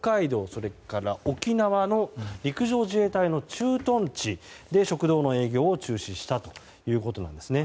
そして沖縄の陸上自衛隊の駐屯地で食堂の営業を中止したということなんですね。